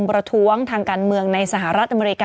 มีสารตั้งต้นเนี่ยคือยาเคเนี่ยใช่ไหมคะ